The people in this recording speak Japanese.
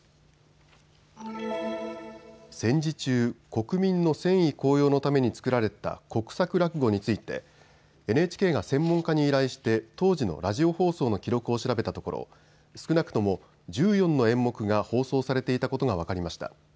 戦時中、国民の戦意高揚のために作られた国策落語についてＮＨＫが専門家に依頼して当時のラジオ放送の記録を調べたところ少なくとも１４の演目が放送されていたことが分かりました。